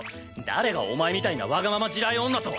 誰がお前みたいなわがまま地雷女と。